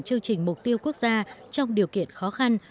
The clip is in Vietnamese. chương trình mục tiêu quốc gia trong điều kiện khó khăn